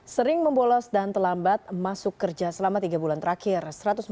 sering membolos dan terlambat masuk kerja selama tiga bulan terakhir